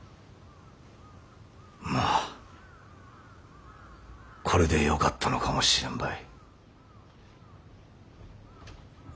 まあこれでよかったのかもしれんばい。